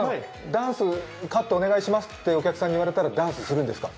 ダンス、カットお願いしますってお客さんに言われたらダンスするんですか？